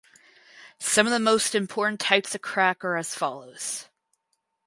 Some of the most important types of crack are as follows.